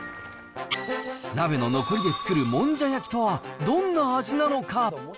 鍋の残りで作るもんじゃ焼きとはどんな味なのか。